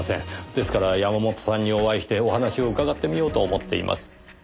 ですから山本さんにお会いしてお話を伺ってみようと思っています。